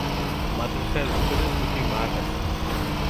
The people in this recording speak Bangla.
মাদ্রাসার ভিতরে দুটি মাঠ আছে।